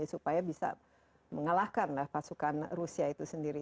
supaya bisa mengalahkan pasukan rusia itu sendiri